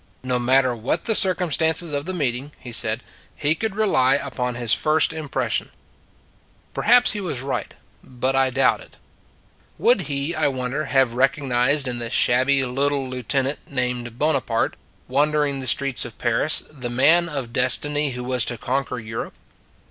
No matter what the circumstances of the meeting, he said, he could rely upon his first impression. Perhaps he was right; but I doubt it. Would he, I wonder, have recognized in the shabby little lieutenant named Bona parte, wandering the streets of Paris, the 56 It s a Good Old World man of destiny who was to conquer Europe?